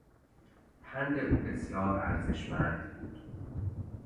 پند او بسیار ارزشمند بود.